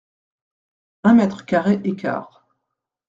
Un mètre carré et quart.